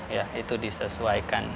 iya itu disesuaikan